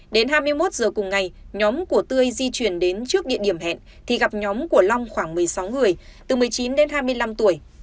đến hai mươi một giờ cùng ngày nhóm của tươi di chuyển đến trước địa điểm hẹn thì gặp nhóm của long khoảng một mươi sáu người từ một mươi chín đến hai mươi năm tuổi